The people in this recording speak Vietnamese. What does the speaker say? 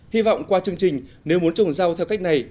hy vọng qua chương trình nếu muốn trồng rau theo cách này